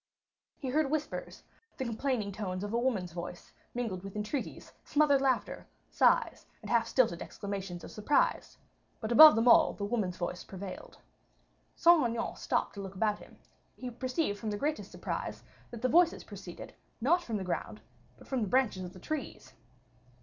He heard whispers, the complaining tones of a woman's voice mingled with entreaties, smothered laughter, sighs, and half stilted exclamations of surprise; but above them all, the woman's voice prevailed. Saint Aignan stopped to look about him; he perceived from the greatest surprise that the voices proceeded, not from the ground, but from the branches of the trees.